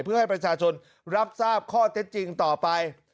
เพื่อให้ประชาชนรับทราบข้อเท็จจริงต่อไป